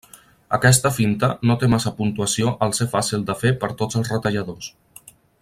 Aquesta finta no té massa puntuació al ser fàcil de fer per tots els retalladors.